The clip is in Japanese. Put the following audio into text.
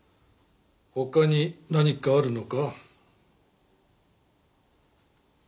他に何かあるのか？